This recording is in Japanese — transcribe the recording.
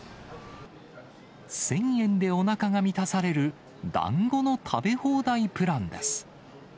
１０００円でおなかが満たされる、だんごの食べ放題プランです。